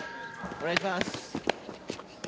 お願いします。